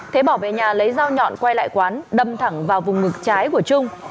thế bỏ về nhà lấy dao nhọn quay lại quán đâm thẳng vào vùng ngực trái của trung